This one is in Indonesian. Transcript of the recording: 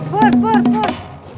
pur pur pur